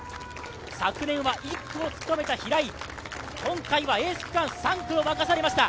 昨年は１区を務めた平井、今回はエース区間・３区を任されました。